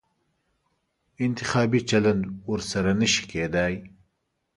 انتخابي چلند ورسره نه شي کېدای.